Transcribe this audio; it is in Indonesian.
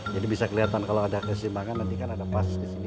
jadi bisa kelihatan kalau ada kesimbangan nanti kan ada pas di sini ya